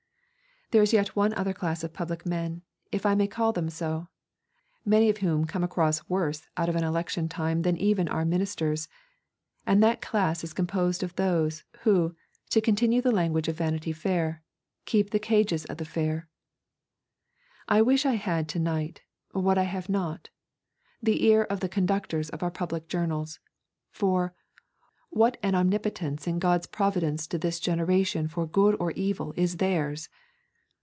There is yet one other class of public men, if I may call them so, many of whom come almost worse out of an election time than even our ministers, and that class is composed of those, who, to continue the language of Vanity Fair, keep the cages of the fair. I wish I had to night, what I have not, the ear of the conductors of our public journals. For, what an omnipotence in God's providence to this generation for good or evil is theirs!